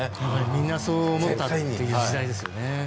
みんなそう思ったという時代ですよね。